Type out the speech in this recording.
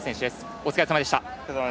お疲れさまでした。